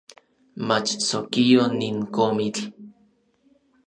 Mach sokio nin komitl